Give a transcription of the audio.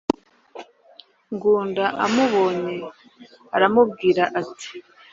Ngunda amubonye aramubwira ati